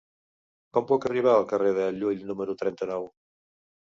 Com puc arribar al carrer de Llull número trenta-nou?